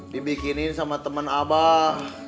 dibikinin sama temen abah